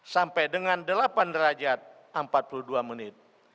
sampai dengan delapan derajat empat puluh dua menit